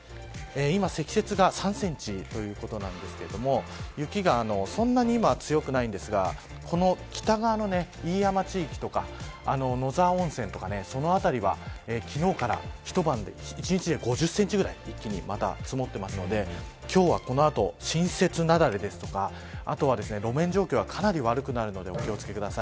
今、積雪が３センチということで雪が今はそんなに強くないんですが北側の飯山地域とか野沢温泉とかその辺りは昨日から一晩で一日で５０センチぐらい一気に積もっていますので今日はこの後、新雪雪崩ですとかあとは路面状況がかなり悪くなるのでお気を付けください。